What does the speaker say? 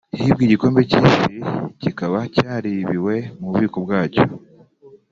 hibwe igikombe cy’isi kikaba cyaribiwe mu bubiko bwacyo